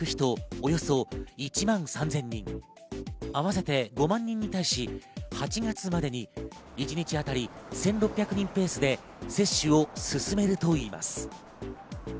およそ１万３０００人、合わせて５万人に対し、８月までに一日当たり１６００人ペースで接種を進めるといいます。